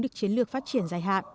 được chiến lược phát triển dài hạn